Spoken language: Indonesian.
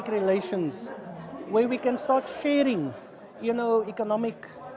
di mana kami dapat membagi produk ekonomi